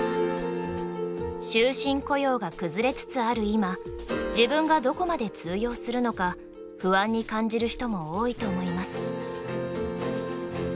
終身雇用が崩れつつある今自分がどこまで通用するのか不安に感じる人も多いと思います。